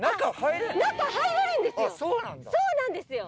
中入れるんですよ！